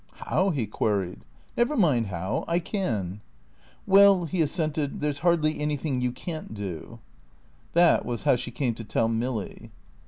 "How?" he queried. "Never mind how. I can." "Well," he assented, "there's hardly anything you can't do." That was how she came to tell Milly.